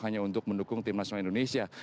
hanya untuk mendukung tim nasional indonesia